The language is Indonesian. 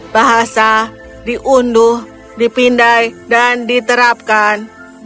bahasa diunduh dipindai dan diterapkan